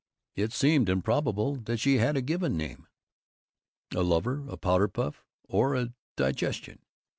It seemed improbable that she had a given name, a lover, a powder puff, or a digestion.